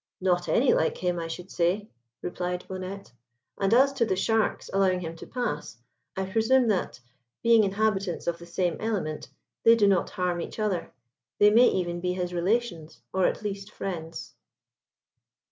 "Not any like him, I should say," replied Bonnette; "and as to the sharks allowing him to pass, I presume that, being inhabitants of the same element, they do not harm each other. They may even be his relations, or at least friends."